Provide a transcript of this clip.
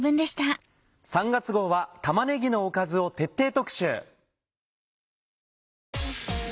３月号は玉ねぎのおかずを徹底特集！